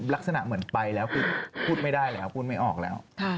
ลักษณะเหมือนไปแล้วคือพูดไม่ได้แล้วพูดไม่ออกแล้ว